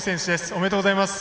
おめでとうございます。